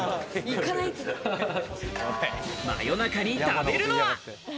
真夜中に食べるのは？